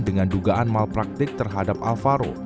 dengan dugaan malpraktik terhadap alvaro